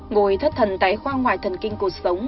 ngồi thất thần tái khoa ngoài thần kinh cuộc sống